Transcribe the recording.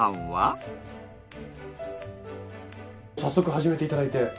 早速始めていただいて。